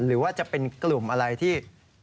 หรือว่าจะเป็นกลุ่มอะไรที่